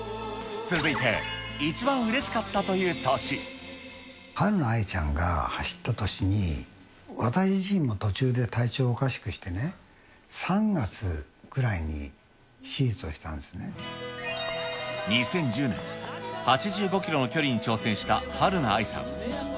続いて、一番うれしかったというはるな愛ちゃんが走った年に、私自身も途中で体調をおかしくしてね、３月ぐらいに手術をしたん２０１０年、８５キロの距離に挑戦したはるな愛さん。